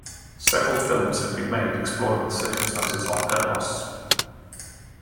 Several films have been made exploring the circumstances of her loss.